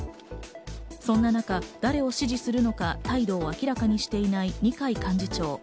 そんな中、誰を支持するのか態度を明らかにしていない二階幹事長。